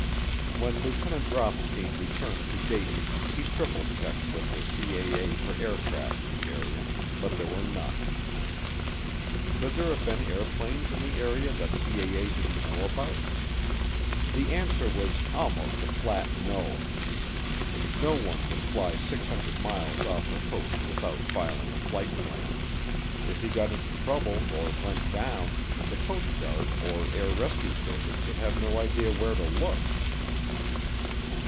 When Lieutenant Rothstien returned to Dayton he triple checked with the CAA for aircraft in the area but there were none. Could there have been airplanes in the area that CAA didn't know about? The answer was almost a flat "No." No one would fly 600 miles off the coast without filing a flight plan; if he got into trouble or went down, the Coast Guard or Air Rescue Service would have no idea where to look.